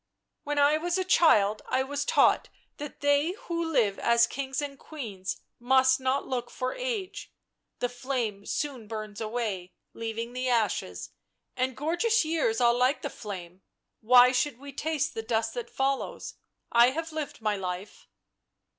" When I was a child I was taught that they who live as kings and queens must not look for age — the flame soon burns away, leaving the ashes — and gorgeous years are like the flame ; why should we taste the dust that follows? I have lived my life."